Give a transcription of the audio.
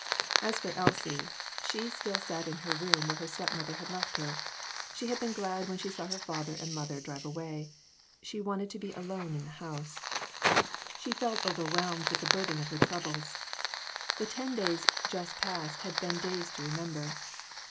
As for Elsie, she still sat in her room where her step mother had left her. She had been glad when she saw her father and mother drive away; she wanted to be alone in the house; she felt COMPLICATIONS. 36! overwhelmed with the burden of her troubles. The ten days just past had been days to remem ber.